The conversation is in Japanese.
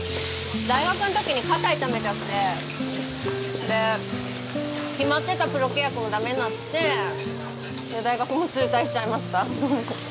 大学の時に肩痛めちゃってで決まってたプロ契約もダメになって大学も中退しちゃいました